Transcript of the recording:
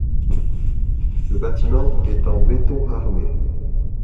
Le bâtiment est en béton armé.